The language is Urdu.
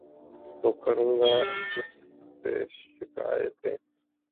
تو کروں گا اُس سے شکائتیں